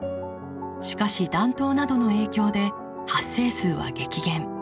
しかし暖冬などの影響で発生数は激減。